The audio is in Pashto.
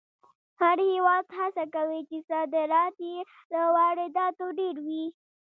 هر هېواد هڅه کوي چې صادرات یې له وارداتو ډېر وي.